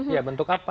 ya bentuk apa